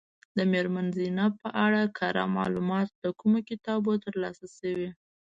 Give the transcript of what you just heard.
د میرمن زینب په اړه کره معلومات له کومو کتابونو ترلاسه شوي.